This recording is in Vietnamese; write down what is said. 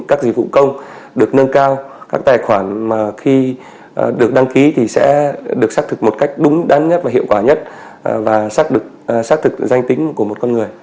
các dịch vụ công được nâng cao các tài khoản mà khi được đăng ký thì sẽ được xác thực một cách đúng đắn nhất và hiệu quả nhất và xác được xác thực danh tính của một con người